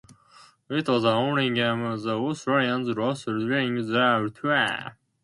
It was the only game the Australians lost during their tour.